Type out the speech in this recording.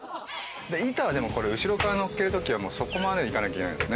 板は後ろから載っけるときはそこまでいかなきゃいけない。